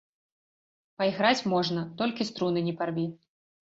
Пайграць можна, толькі струны не парві.